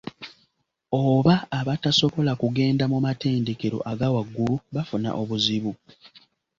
Oba abatasobola kugenda mu matendekero aga waggulu bafuna obuzibu.